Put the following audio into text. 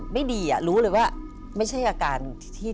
ไม่ดีรู้เลยว่าไม่ใช่อาการที่